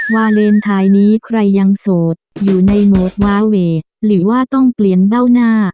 วาเลนไทยนี้ใครยังโสดอยู่ในโหมดวาเวย์หรือว่าต้องเปลี่ยนเบ้าหน้า